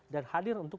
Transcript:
dan hadir untuk